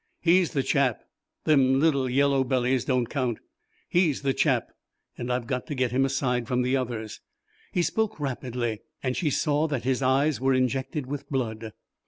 He's the chap; them little yellow bellies don't count. He's the chap, and I've got to get him aside from the others." He spoke rapidly and she saw that his eyes were injected with blood.